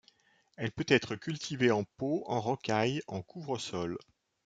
Elle peut être cultivée en pot, en rocaille, en couvre-sol.